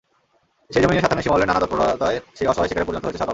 সেই জমি নিয়ে স্বার্থান্বেষী মহলের নানা তৎপরতার অসহায় শিকারে পরিণত হয়েছে সাঁওতালরা।